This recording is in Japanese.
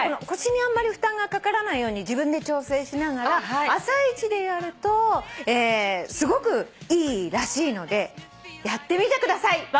腰にあんまり負担がかからないように自分で調整しながら朝一でやるとすごくいいらしいのでやってみてください！